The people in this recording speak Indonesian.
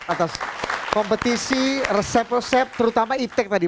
atas kompetisi resep resep terutama iptec tadi